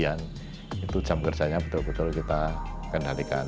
itu jam kerjanya betul betul kita kendalikan